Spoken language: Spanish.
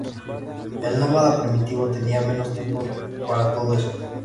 El nómada primitivo tenía menos tiempo para todo eso.